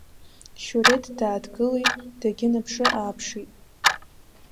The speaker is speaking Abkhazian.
Шьуреҭ дааҭгылеит, дагьынаԥшы-ааԥшит.